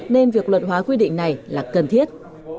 nên việc luật hóa quy định này là cần thiết